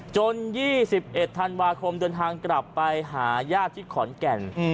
๒๑ธันวาคมเดินทางกลับไปหาญาติที่ขอนแก่น